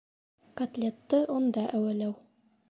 Котлетты онда әүәләү